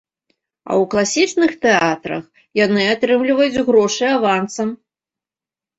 А ў класічных тэатрах яны атрымліваюць грошы авансам.